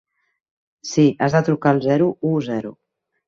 Sí, has de trucar al zero u zero.